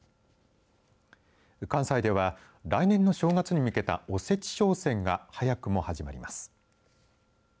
関西では来年の正月に向けたおせち商戦が早くも始まります。